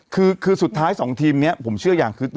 คือสุดท้ายสองทีมเนี่ยผมเชื่ออย่าง